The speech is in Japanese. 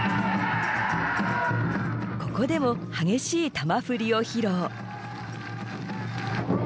ここでも激しい魂振りを披露。